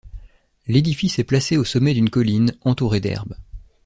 L'édifice est placé au sommet d'une colline, entouré d'herbe.